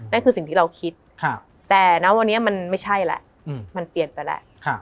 นั่นคือสิ่งที่เราคิดแต่นะวันนี้มันไม่ใช่แล้วมันเปลี่ยนไปแล้ว